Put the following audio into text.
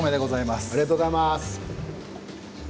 ありがとうございます。